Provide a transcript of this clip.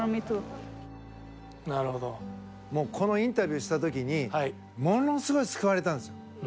松岡：このインタビューした時にものすごい救われたんですよ。